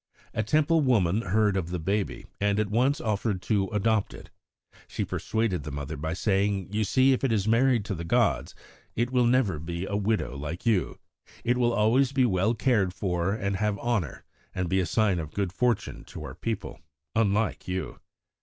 A Temple woman heard of the baby, and at once offered to adopt it. She persuaded the mother by saying: 'You see, if it is married to the gods, it will never be a widow like you. It will always be well cared for and have honour, and be a sign of good fortune to our people unlike you!'